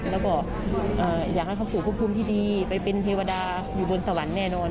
แล้วก็อยากให้เขาสู่ควบคุมที่ดีไปเป็นเทวดาอยู่บนสวรรค์แน่นอน